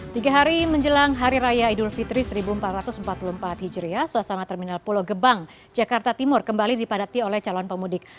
tiga hari menjelang hari raya idul fitri seribu empat ratus empat puluh empat hijriah suasana terminal pulau gebang jakarta timur kembali dipadati oleh calon pemudik